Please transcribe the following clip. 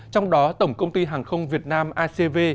trong đó tổng công ty hàng không việt nam acv